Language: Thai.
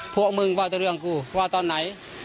พวกมึงว่าจะเรื่องกูว่าตอนไหน